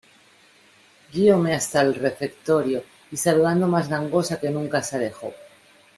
guióme hasta el refectorio, y saludando más gangosa que nunca , se alejó.